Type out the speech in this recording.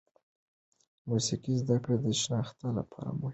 د موسیقي زده کړه د شناخت لپاره مهمه ده.